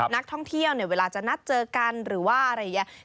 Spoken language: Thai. นักท่องเที่ยวเนี่ยเวลาจะนัดเจอกันหรือว่าอะไรอย่างนี้